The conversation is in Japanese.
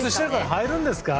入るんですね。